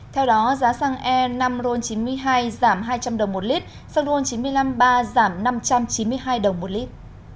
theo đó giá xăng e năm chín mươi hai giảm hai trăm linh đồng một lít xăng e năm chín mươi năm ba giảm năm trăm chín mươi hai đồng một lít